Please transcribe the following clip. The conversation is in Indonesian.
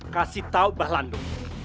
kasih tahu mbah landu